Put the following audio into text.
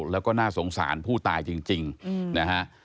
แล้วก็น่าสงสารผู้ตายจริงนะฮะ